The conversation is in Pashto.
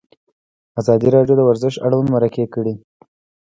ازادي راډیو د ورزش اړوند مرکې کړي.